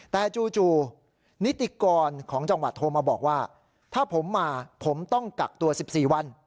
แต่จู่นิติกรของจังหวัดโทรมาบอกว่าถ้าผมมาผมต้องกักตัว๑๔วัน